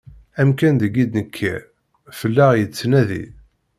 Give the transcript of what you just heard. Amkan deg i d-nekker, fell-aɣ yettnadi.